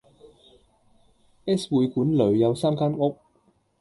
S 會館裏有三間屋，